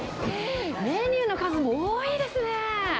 メニューの数も多いですね。